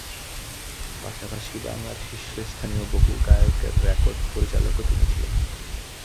পাশাপাশি বাংলার শীর্ষস্থানীয় বহু গায়কের রেকর্ড-পরিচালকও ছিলেন তিনি।